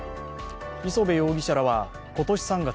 磯辺容疑者らは今年３月。